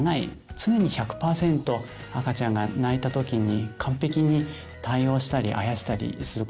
常に１００％赤ちゃんが泣いた時に完璧に対応したりあやしたりすることは不可能かなと思うんですね。